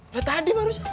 udah tadi pak ustadz